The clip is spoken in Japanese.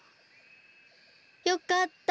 よかった。